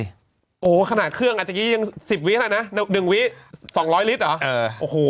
โอ้โหขนาดเครื่องอาจจะยิ่ง๑๐วิตรแล้วนะ๑วิตร๒๐๐ลิตรเหรอ